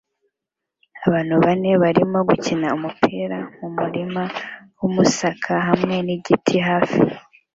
Abantu bane barimo gukina umupira mumurima wumusaka hamwe nigiti hafi